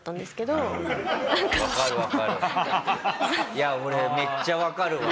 いや俺めっちゃわかるわ。